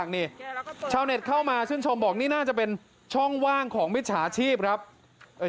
น้ำปกติทั่วไปเลย